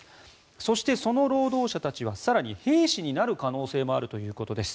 そして、その労働者たちは更に兵士になる可能性もあるということです。